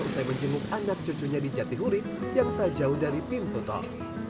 usai menjenguk anak cucunya di jatihuri yang tak jauh dari pintu tol